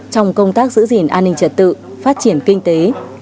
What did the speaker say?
trong công tác giữ gìn an ninh trật tự phát triển kinh tế